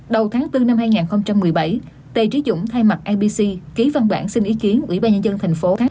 đầu tháng bốn năm hai nghìn một mươi bảy tề trí dũng thay mặt ibc ký văn bản xin ý kiến ủy ban nhân dân thành phố